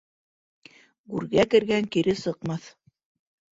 Гүргә кергән кире сыҡмаҫ.